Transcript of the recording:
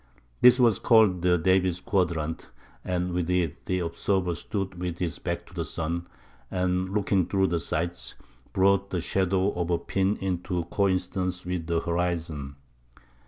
This was called the Davis quadrant; and with it "the observer stood with his back to the sun, and, looking through the sights, brought the shadow of a pin into coincidence with the horizon."